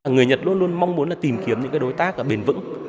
người nhật luôn luôn mong muốn tìm kiếm những đối tác bền vững